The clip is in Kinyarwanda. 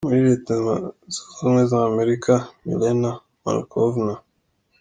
muri Leta Zunze Ubumwe za Amerika, Milena Markovna